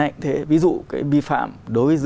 yêu cầu đòi hỏi